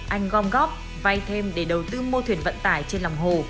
anh gom góp vay thêm để đầu tư mô thuyền vận tải trên lòng hồ